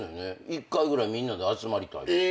１回ぐらいみんなで集まりたいって。